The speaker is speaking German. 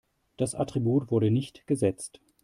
Das Attribut wurde nicht gesetzt.